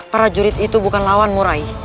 para jurit itu bukan lawanmu rai